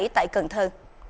tại cần thơ